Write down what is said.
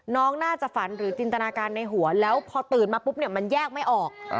น้องน่าจะฝันหรือจินตนาการในหัวแล้วพอตื่นมาปุ๊บเนี่ยมันแยกไม่ออก